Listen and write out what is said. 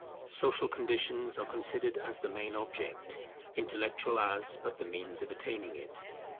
Social conditions are considered as the main object, intellectual as but the means of attaining it.